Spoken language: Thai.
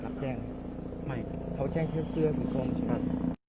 มันจะมีเศษผ้าสีขาวด้วย